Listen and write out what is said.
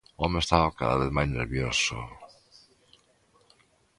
O home estaba cada vez máis nervioso.